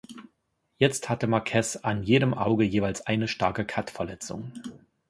Jetzt hatte Marquez an jedem Auge jeweils eine starke Cut-Verletzung.